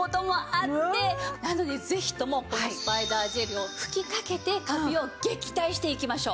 なのでぜひともこのスパイダージェルを吹きかけてカビを撃退していきましょう。